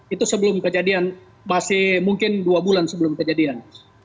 itu sebelum kejadian masih mungkin dua bulan sebelum kejadian